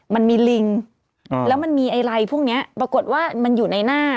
มันมีลิงแล้วมันมีไอไลพวกนี้ปรากฏว่ามันอยู่ในหน้า